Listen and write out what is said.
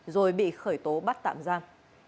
rồi bị khởi tố bắt tạm giam